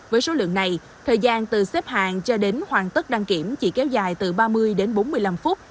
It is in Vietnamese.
với số lượng này thời gian từ xếp hàng cho đến hoàn tất đăng kiểm chỉ kéo dài từ ba mươi đến bốn mươi năm phút